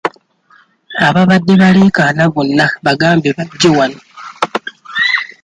Ababadde baleekaana bonna bagambe bajje wano.